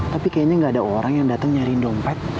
tapi kayaknya gak ada orang yang dateng nyariin dompet